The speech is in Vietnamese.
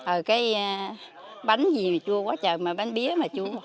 ờ cái bánh gì mà chua quá trời mà bánh bía mà chua